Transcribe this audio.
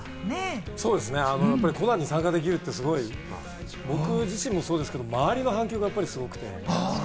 そうですね、『コナン』に参加できるって僕自身もそうですけど、周りの反響はやっぱりすごくて。